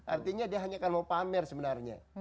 artinya dia hanya akan mau pamer sebenarnya